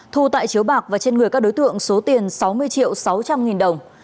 thu tại chiếu bạc và trên người các đối tượng số tiền sáu mươi triệu sáu trăm linh nghìn đồng